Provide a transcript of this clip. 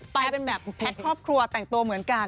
ไปเป็นแบบแพทย์ครอบครัวแต่งตัวเหมือนกัน